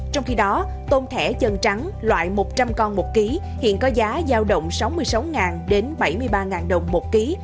trong khi đó tôm thẻ chân trắng loại một trăm linh con một ký hiện có giá giao động sáu mươi sáu đến bảy mươi ba đồng một ký